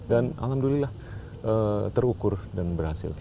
dan alhamdulillah terukur dan berhasil